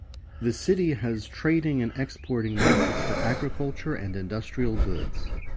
The city has trading and exporting markets for agriculture and industrial goods.